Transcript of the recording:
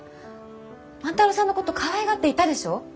万太郎さんのことかわいがっていたでしょ？